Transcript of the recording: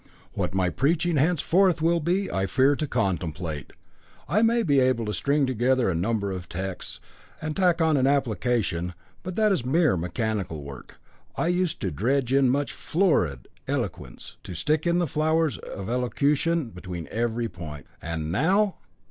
What my preaching henceforth will be I fear to contemplate. I may be able to string together a number of texts, and tack on an application, but that is mere mechanical work. I used to dredge in much florid eloquence, to stick in the flowers of elocution between every joint. And now!